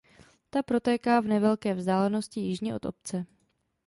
Ta protéká v nevelké vzdálenosti jižně od obce.